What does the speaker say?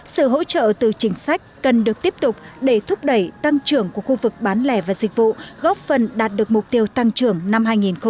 sự hỗ trợ từ chính sách cần được tiếp tục để thúc đẩy tăng trưởng của khu vực bán lẻ và dịch vụ góp phần đạt được mục tiêu tăng trưởng năm hai nghìn hai mươi